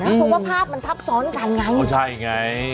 เพราะว่าภาพมันทับซ้อนกันไงโอ้ใช่ไง